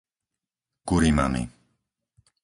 Kurimany